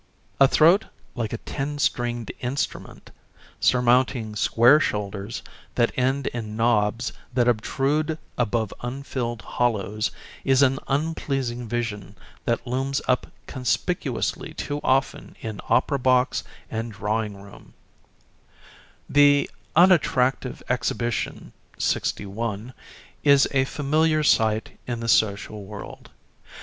A throat like a ten stringed instrument, surmounting square shoulders that end in knobs that obtrude above unfilled hollows, is an unpleasing vision that looms up conspicuously too often in opera box and drawing room. [Illustration: NO. 61] The unattractive exhibition 61, is a familiar sight in the social world.